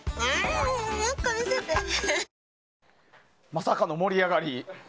まさかの盛り上がり。